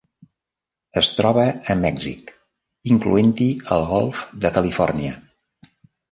Es troba a Mèxic, incloent-hi el Golf de Califòrnia.